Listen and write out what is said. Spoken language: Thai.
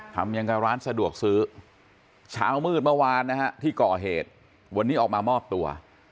ทำอย่างกับร้านสะดวกซื้อเช้ามืดเมื่อวานนะฮะที่ก่อเหตุวันนี้ออกมามอบตัว